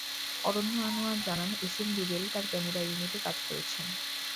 অরণ্য আনোয়ার জানান, S M Rubel তাঁর camera ইউনিটে কাজ করেছেন।